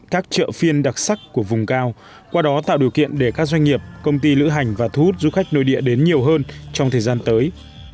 các chợ phiên đặc sắc của vùng cao qua đó tạo điều kiện để các doanh nghiệp công ty lữ hành và thu hút du khách nội địa đến nhiều hơn trong thời gian tới